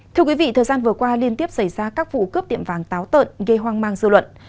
thưa quý vị thời gian vừa qua liên tiếp xảy ra các vụ cướp tiệm vàng táo tợn gây hoang mang dư luận